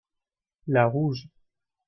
la rouge.